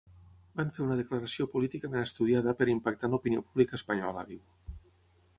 Van fer una declaració políticament estudiada per impactar en l’opinió pública espanyola, diu.